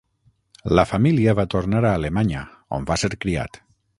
La família va tornar a Alemanya, on va ser criat.